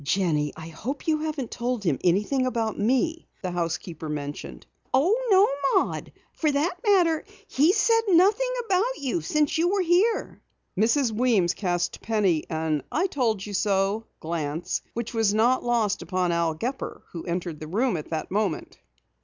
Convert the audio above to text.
"Jenny, I hope you haven't told him anything about me," the housekeeper mentioned. "Oh, no, Maud. For that matter, he's said nothing about you since you were here." Mrs. Weems cast Penny an "I told you so" glance which was not lost upon Al Gepper who entered the room at that moment.